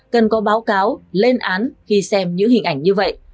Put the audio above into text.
cần có báo cáo lên án khi xem những hình ảnh như vậy